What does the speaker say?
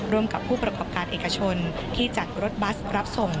ร่วมกับผู้ประกอบการเอกชนที่จัดรถบัสรับส่ง